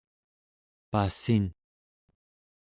passin